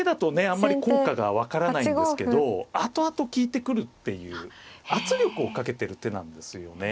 あんまり効果が分からないんですけど後々利いてくるっていう圧力をかけてる手なんですよね。